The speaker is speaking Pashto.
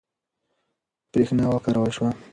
برېښنا وکارول شوه.